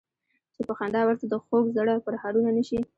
چې په خندا ورته د خوږ زړه پرهارونه نه شي.